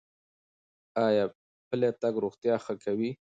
ایا پلی تګ روغتیا ښه کوي؟